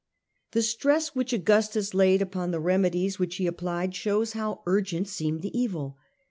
The stress which Augustus laid upon the remedies which he applied shows how urgent seemed the evil.